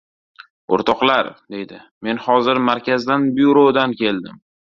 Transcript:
— O‘rtoqlar! — deydi. — Men hozir markazdan — byurodan keldim